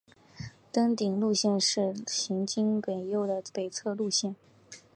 登顶路线是行经北坳的北侧路线。